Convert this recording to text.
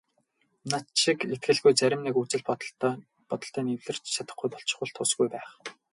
Над шиг итгэлгүй зарим нэг үзэл бодолтой нь эвлэрч чадахгүй болчихвол тусгүй байх.